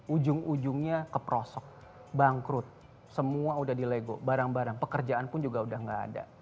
ujung ujungnya keprosok bangkrut semua udah dilego barang barang pekerjaan pun juga udah gak ada